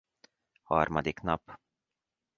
Harmadik nap